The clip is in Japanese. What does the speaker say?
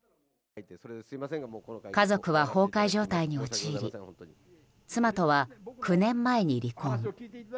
家族は崩壊状態に陥り妻とは９年前に離婚。